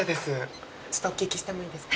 ちょっとお聞きしてもいいですか？